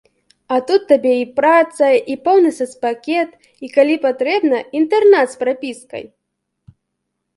А тут табе і праца, і поўны сацпакет, і, калі патрэбна, інтэрнат з прапіскай!